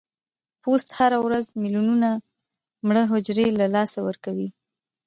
پوست هره ورځ ملیونونه مړه حجرې له لاسه ورکوي.